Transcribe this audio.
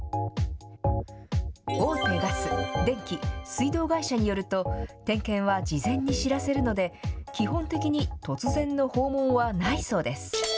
大手ガス、電気、水道会社によると、点検は事前に知らせるので、基本的に突然の訪問はないそうです。